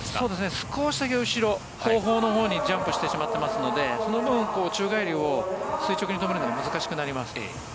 少しだけ後ろにジャンプしてしまっていますのでその分宙返りを垂直に止めるのが難しくなります。